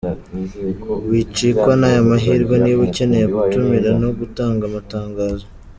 Wicikwa naya mahirwe niba ukeneye gutumira no gutanga amatangazo:.